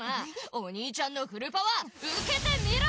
おにいちゃんのフルパワーうけてみろ！